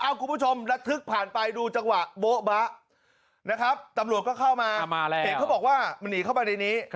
คุณผู้ชมระทึกผ่านไปดูจังหวะโบ๊ะบะนะครับตำรวจก็เข้ามาแล้วเห็นเขาบอกว่ามันหนีเข้าไปในนี้